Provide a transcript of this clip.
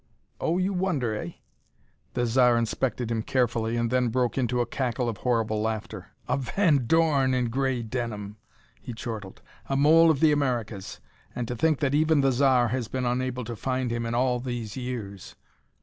"Oh, you wonder, eh?" The Zar inspected him carefully and then broke into a cackle of horrible laughter. "A Van Dorn in gray denim!" he chortled. "A mole of the Americas! And to think that even the Zar has been unable to find him in all these years!"